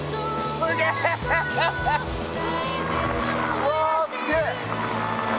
うわっすげえ！